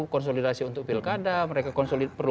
konsolidasi untuk pilkada mereka perlu